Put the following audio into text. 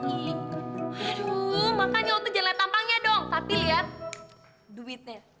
aduh makanya lo tuh jangan liat tampangnya dong tapi liat duitnya